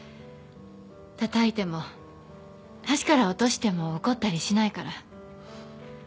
たたいても橋から落としても怒ったりしないから